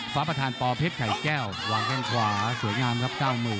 ฟ้าประธานปเพชรไข่แก้ววางแข้งขวาสวยงามครับ